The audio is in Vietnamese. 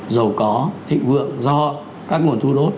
giàu có thịnh vượng do các nguồn thu đốt